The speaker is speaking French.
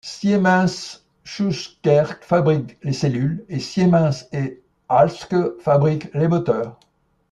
Siemens-Schuckert fabrique les cellules, et Siemens & Halske fabrique les moteurs.